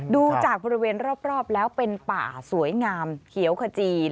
ดูจากบริเวณรอบแล้วเป็นป่าสวยงามเขียวขจี